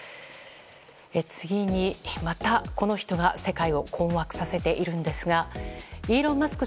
次に、またこの人が世界を困惑させているんですがイーロン・マスク